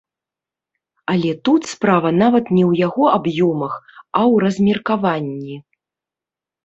Але тут справа нават не ў яго аб'ёмах, а ў размеркаванні.